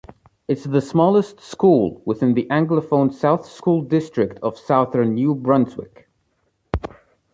It's the smallest school within the Anglophone South School District of Southern New Brunswick.